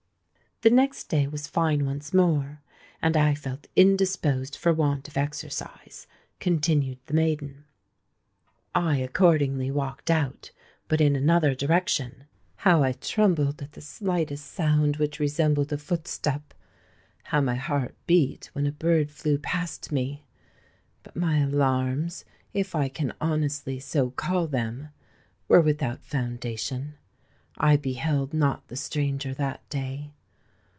"The next day was fine once more; and I felt indisposed for want of exercise," continued the maiden. "I accordingly walked out—but in another direction. How I trembled at the slightest sound which resembled a footstep! How my heart beat when a bird flew past me! But my alarms—if I can honestly so call them—were without foundation: I beheld not the stranger that day.